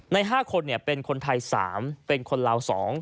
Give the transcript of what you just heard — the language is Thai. ใน๕คนเป็นคนไทย๓เป็นคนลาว๒